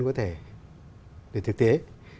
có thể để thực tế